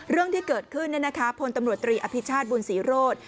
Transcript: เรื่องที่เกิดขึ้นเนี่ยนะคะพลตำรวจตรีอภิชาศบุญศรีโรธ